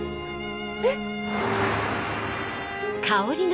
えっ？